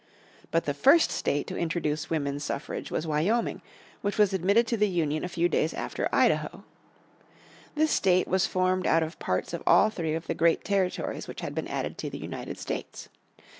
But the first state to introduce women's suffrage was Wyoming, which was admitted to the Union a few days after Idaho. This state was formed out of parts of all three of the great territories which had been added to the United States.